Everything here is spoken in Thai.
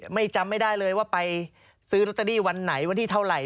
จำไม่ได้เลยว่าไปซื้อลอตเตอรี่วันไหนวันที่เท่าไหร่